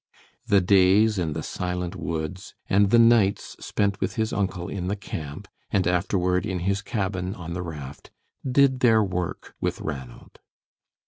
The days in the silent woods and the nights spent with his uncle in the camp, and afterward in his cabin on the raft, did their work with Ranald.